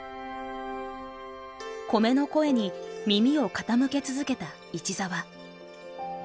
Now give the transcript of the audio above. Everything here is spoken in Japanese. コメの声に耳を傾け続けた市澤。